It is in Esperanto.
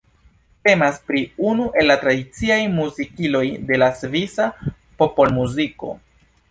Temas pri unu el la tradiciaj muzikiloj de la svisa popolmuziko.